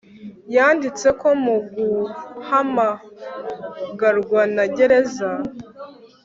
Yanditse ko mu guhamagarwa na gereza